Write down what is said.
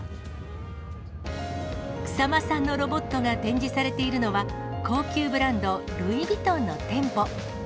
草間さんのロボットが展示されているのは、高級ブランド、ルイ・ヴィトンの店舗。